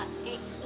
rani bisa sendiri